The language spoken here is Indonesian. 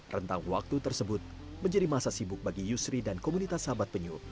rentang waktu tersebut menjadi masa sibuk bagi yusri dan komunitas sahabat penyu